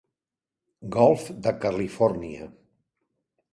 Golf de Califòrnia.